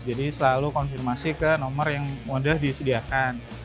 jadi selalu konfirmasi ke nomor yang mudah disediakan